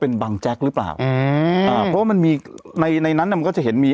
เป็นบังแจ๊กหรือเปล่าอืมอ่าเพราะว่ามันมีในในนั้นน่ะมันก็จะเห็นมี